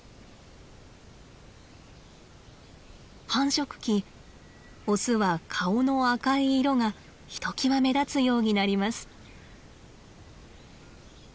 繁殖期オスは顔の赤い色がひときわ目立つようになります。